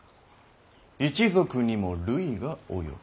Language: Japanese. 一族にも累が及ぶ。